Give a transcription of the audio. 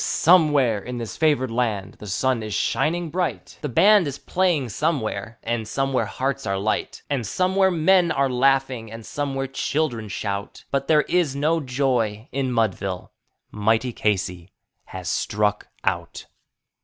somewhere in this favored land the sun is shining bright; The band is playing somewhere, and somewhere hearts are light. And somewhere men are laughing, and somewhere children shout; But there is no joy in Mudville mighty Casey has Struck Out.